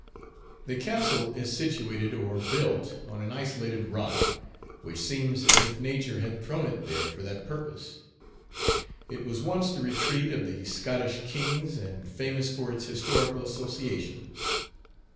The Castle is situated or built on an isolated rock, which seems as if Nature had thrown it there for that purpose. It was once the retreat of the Scottish Kings, and famous for its historical associations.